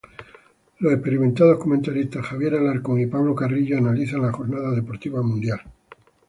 Los experimentados comentaristas Javier Alarcón y Pablo Carrillo analizan la jornada deportiva mundial.